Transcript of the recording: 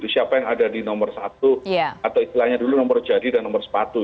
siapa yang ada di nomor satu atau istilahnya dulu nomor jadi dan nomor sepatu